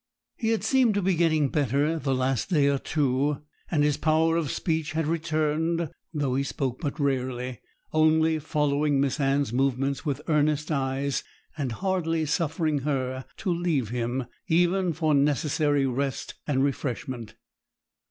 He had seemed to be getting better the last day or two, and his power of speech had returned, though he spoke but rarely; only following Miss Anne's movements with earnest eyes, and hardly suffering her to leave him, even for necessary rest and refreshment.